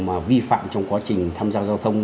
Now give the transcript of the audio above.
mà vi phạm trong quá trình tham gia giao thông